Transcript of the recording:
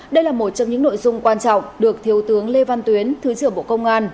đây là một trong những nội dung quan trọng được thiếu tướng lê văn tuyến thứ trưởng bộ công an